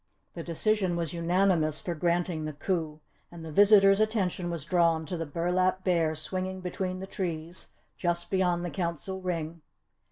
The decision was unanimous for granting the coup and the visitors' attention was drawn to the burlap bear swinging between the trees just beyond the Council Ring.